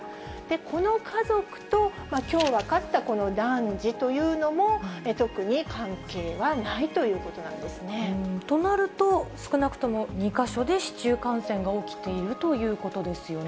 この家族ときょう分かった男児というのも、特に関係はないというとなると、少なくとも２か所で市中感染が起きているということですよね。